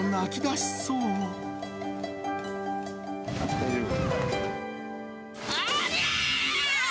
大丈夫？